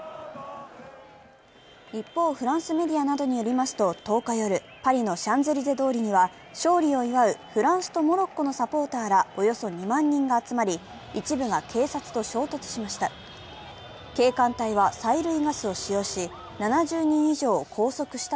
一方、フランスメディアなどによりますと１０日夜、パリのシャンゼリゼ通りには勝利を祝うフランスとモロッコのサポーターらおよそ２万人が集まり、一部が警察と衝突しました。